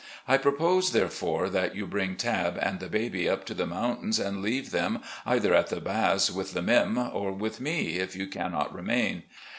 I propose, therefore, that you bring Tabb and the baby up to the mountains and leave them either at the Baths with 'the Mim' or with me, if you cannot remain.